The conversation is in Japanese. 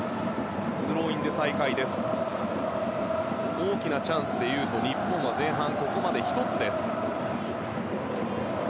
大きなチャンスでいうと日本は前半ここまで１つです。